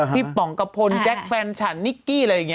ป๋องกระพลแจ๊คแฟนฉันนิกกี้อะไรอย่างนี้